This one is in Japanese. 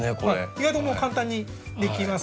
意外ともう簡単に出来ます。